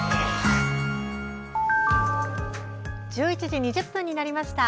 １１時２０分になりました。